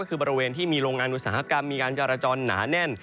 ก็คือบริเวณที่มีโรงงานอุตสาหกรรมมีการจราจรหนาแน่น